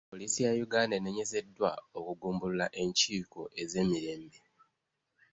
Poliisi ya Uganda enenyezeddwa okugumbulula enkiiko ez'emirembe.